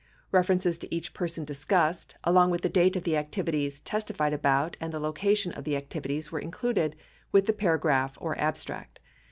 References to each person discussed, along with the date of the activities testified about and the location of the activities were included with the paragraph or abstract.